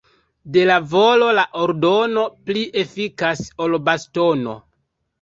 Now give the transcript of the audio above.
De la volo la ordono pli efikas ol bastono.